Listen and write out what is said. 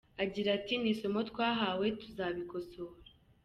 Agira ati “Ni isomo twahawe, tuzabikosora.